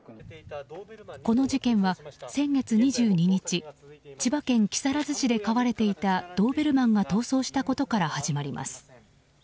この事件は先月２２日千葉県木更津市で飼われていたドーベルマンが逃走したことから始まります。